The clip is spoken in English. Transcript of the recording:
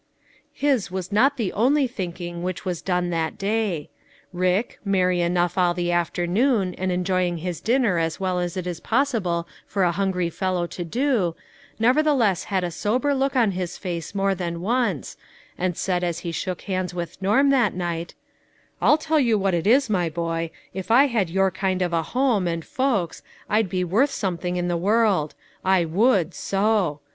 " His was not the only thinking which was done that day. Rick, merry enough all the afternoon, and enjoying his dinner as well as it was possi ble for a hungry fellow to do, nevertheless had a sober look on his face more than once, and said as he shook hands with Norm at night :" I'll tell you what it is, my boy, if I had your kind of a home, and folks, I'd be worth some thing in the world ; I would, so.